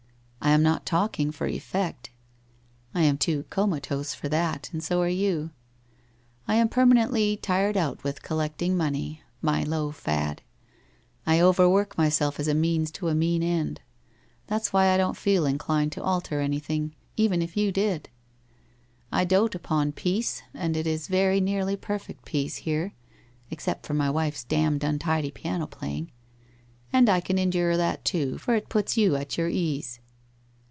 I am not talking for effect. I am too comatose for that, and so are you. I am per manently tired out with collecting money — my low fad. I overwork myself as a means to a mean end. That's why I don't feel inclined to alter anything — even if you did. I dote upon peace and it is very nearly perfect peace bore, except for my wife's damned untidy piano playing. And I can endure that too, for it puts you at your ease.'